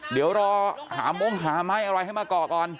เดี๋ยวรอหามงหาไม้อะไรให้มาก่อก่อน